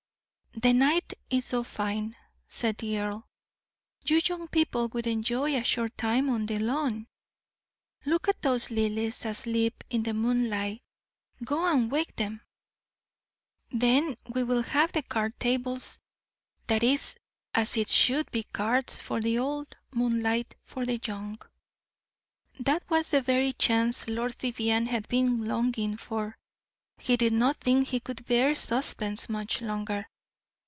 "The night is so fine," said the earl, "you young people would enjoy a short time on the lawn. Look at those lilies asleep in the moonlight go and wake them. Then we will have the card tables. That is as it should be cards for the old, moonlight for the young." That was the very chance Lord Vivianne had been longing for; he did not think he could bear suspense much longer.